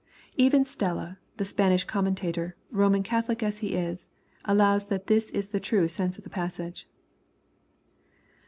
Even Stella, the Spanish com mentator, Roman Catholic as he is, allows that this is the true sense of the passage.